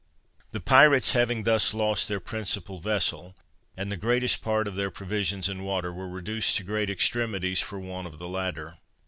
The pirates having thus lost their principal vessel, and the greatest part of their provisions and water, were reduced to great extremities for want of the latter.